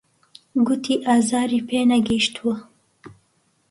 گوتی ئازاری پێ نەگەیشتووە.